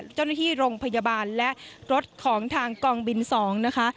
เจ้าหน้าที่โรงพยาบาลและรถของทางกองบิน๒นะคะ